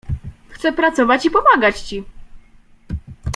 Chcę pracować i pomagać ci.